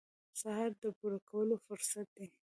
سهار د پوره کولو فرصت دی.